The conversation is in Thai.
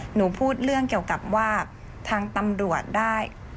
หนูพูดเรื่องเกี่ยวกับว่าทางตำรวจได้